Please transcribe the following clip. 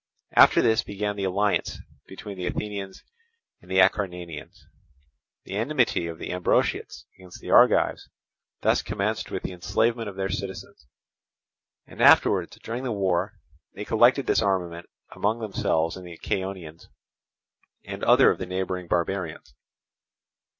After this began the alliance between the Athenians and Acarnanians. The enmity of the Ambraciots against the Argives thus commenced with the enslavement of their citizens; and afterwards during the war they collected this armament among themselves and the Chaonians, and other of the neighbouring barbarians.